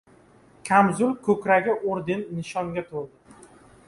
Kamzul ko‘kragi orden-nishonga to‘ldi.